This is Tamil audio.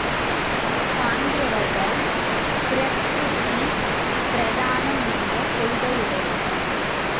சாங்கியவர்கள் பிரக்ருதி பிரதானம் என்ற கொள்கையுடையவர்கள்.